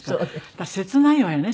だから切ないわよね